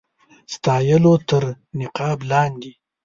ستایلو تر نقاب لاندي.